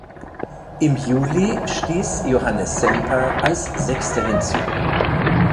Im Juli stieß Johannes Semper als sechster hinzu.